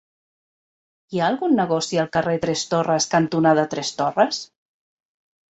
Hi ha algun negoci al carrer Tres Torres cantonada Tres Torres?